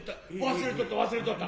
忘れとった忘れとった。